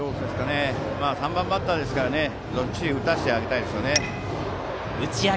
３番バッターですからどっしり打たせてあげたいですね。